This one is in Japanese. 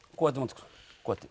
こうやって。